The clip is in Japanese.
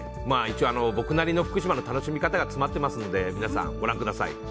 一応、僕なりの福島の楽しみ方が詰まっていますので皆さん、ご覧ください。